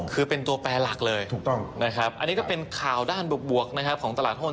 คือเป็นตัวแปลหลักเลยนะครับอันนี้ก็เป็นข่าวด้านบวกของตลาดห้น